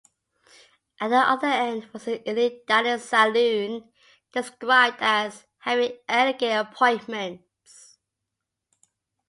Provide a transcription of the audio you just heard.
At the other end was the Elite Dining Saloon, described as having 'elegant appointments'.